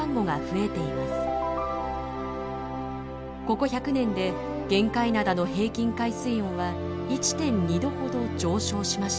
ここ１００年で玄界灘の平均海水温は１．２度ほど上昇しました。